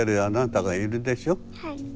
はい。